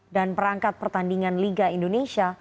dan perangkat pertandingan liga indonesia